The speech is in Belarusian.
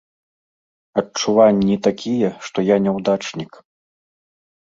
Адчуванні такія, што я няўдачнік.